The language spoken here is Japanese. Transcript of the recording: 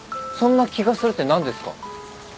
そんな気がするって何ですか？